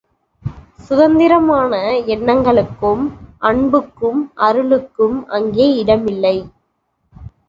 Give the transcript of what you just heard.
சுதந்திரமான எண்ணங்களுக்கும், அன்புக்கும் அருளுக்கும் அங்கே இடமில்லை.